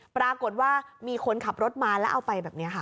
ปรากฏว่ามีคนขับรถมาแล้วเอาไปแบบนี้ค่ะ